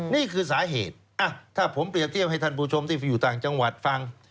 นี่คือสาเหตุถ้าผมเปรียบเทียบให้ท่านผู้ชมที่อยู่ต่างจังหวัดฟัง